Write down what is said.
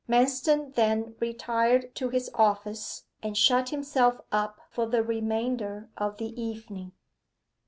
Manston then retired to his office, and shut himself up for the remainder of the evening.